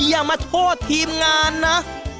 อย่ามาโทษทีมงานนะ